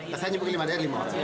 lima pasangnya dari lima daerah